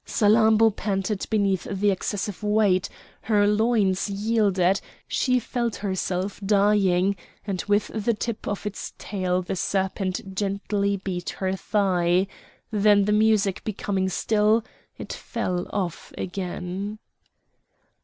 Salammbô panted beneath the excessive weight, her loins yielded, she felt herself dying, and with the tip of its tail the serpent gently beat her thigh; then the music becoming still it fell off again.